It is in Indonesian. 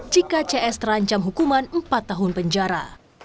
jika cs terancam hukuman empat tahun penjara